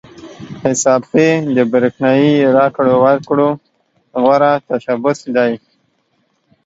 حساب پې د برېښنايي راکړو ورکړو غوره تشبث دی.